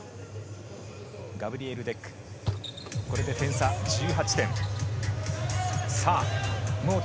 ガブリエル・デック、これで、点差１８点。